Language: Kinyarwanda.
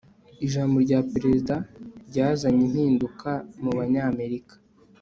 ijambo rya perezida ryazanye impinduka mubanyamerika